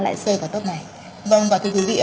lại xây vào tốt này vâng và thưa quý vị